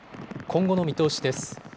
今後の見通しです。